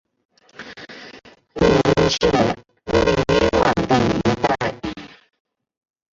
你们是迷惘的一代。